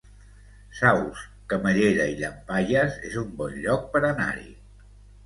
Saus, Camallera i Llampaies es un bon lloc per anar-hi